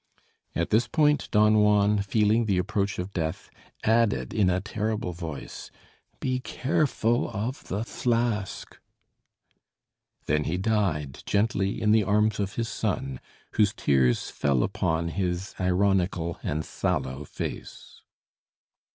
At this point Don Juan, feeling the approach of death, added in a terrible voice: "Be careful of the flask!" Then he died gently in the arms of his son, whose tears fell upon his ironical and sallow face.